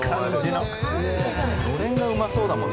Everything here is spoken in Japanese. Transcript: のれんがうまそうだもん。